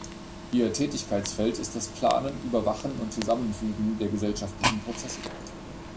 Ihr Tätigkeitsfeld ist das Planen, Überwachen und Zusammenfügen der gesellschaftlichen Prozesse.